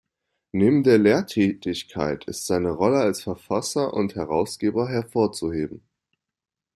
Neben der Lehrtätigkeit ist seine Rolle als Verfasser und Herausgeber hervorzuheben.